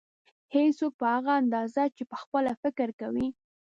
هېڅوک په هغه اندازه چې پخپله فکر کوي.